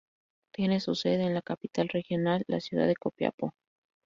Tiene su sede en la capital regional, la ciudad de Copiapó.